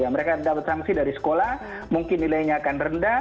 mereka dapat sanksi dari sekolah mungkin nilainya akan rendah